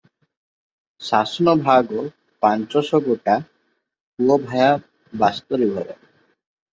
ଶାସନ ଭାଗ ପାଞ୍ଚଶ ଗୋଟା ପୁଅଭାୟା ବାସ୍ତରୀ ଘର ।